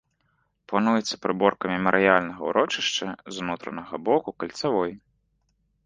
Плануецца прыборка мемарыяльнага ўрочышча з унутранага боку кальцавой.